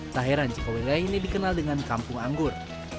tak heran jika wilayah ini dikenal dengan kampung anggur